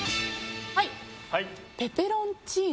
はい！